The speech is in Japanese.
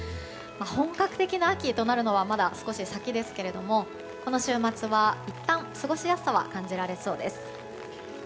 本格的な秋となるのはまだ少し先ですがこの週末はいったん過ごしやすさは感じられそうです。